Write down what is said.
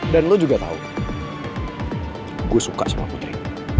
dan lo juga tahu gue suka sama putri